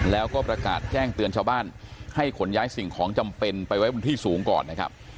แล้วก็ประกาศแจ้งเตือนชาวบ้านให้ขนย้ายสิ่งของจำเป็นไปไว้บนที่สูงก่อนนะครับ